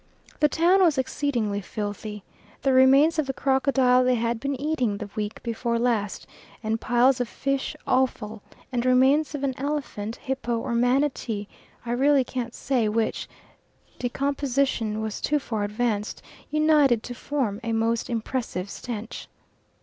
The town was exceedingly filthy the remains of the crocodile they had been eating the week before last, and piles of fish offal, and remains of an elephant, hippo or manatee I really can't say which, decomposition was too far advanced united to form a most impressive stench.